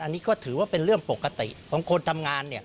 อันนี้ก็ถือว่าเป็นเรื่องปกติของคนทำงาน